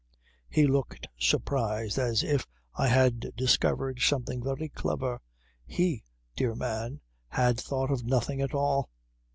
He looked surprised as if I had discovered something very clever. He, dear man, had thought of nothing at all.